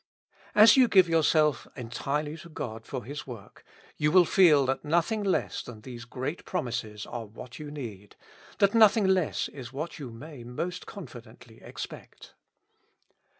As you give yourself entirely to God for His work, you will feel that nothing less than these great promises are what you need, that nothing less is what you may most confidently expect.